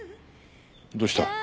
どうした？